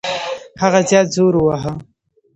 هغه زیات زور وواهه.